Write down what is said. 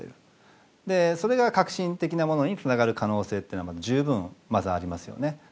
それが革新的なものにつながる可能性っていうのは十分まずありますよね。